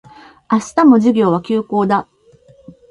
明日も授業は休講だ